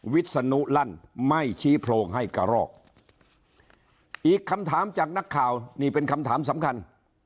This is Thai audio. วิศนุลั่นไม่ชี้โพรงให้กระรอกอีกคำถามจากนักข่าวนี่เป็นคำถามสำคัญ